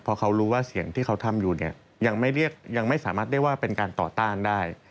เพราะเขารู้ว่าเสียงที่เขาทำอยู่เนี่ยยังไม่สามารถเรียกว่าเป็นการต่อต้านได้